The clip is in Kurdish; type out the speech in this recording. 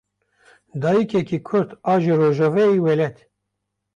Dayîkeke kurd a ji rojavayê welêt.